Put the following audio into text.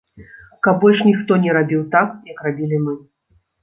Каб больш ніхто не рабіў так, як рабілі мы.